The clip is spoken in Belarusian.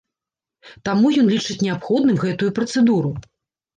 Таму ён лічыць неабходным гэтую працэдуру.